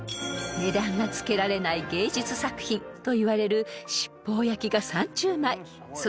［値段が付けられない芸術作品といわれる七宝焼が３０枚］